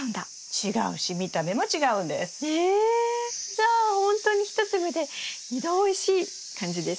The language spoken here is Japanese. じゃあほんとに１粒で２度おいしい感じですね。